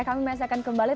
kami masih akan kembali